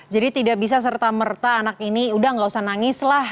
jadi tidak bisa serta merta anak ini sudah tidak usah nangislah